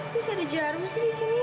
masih ada jarum sih di sini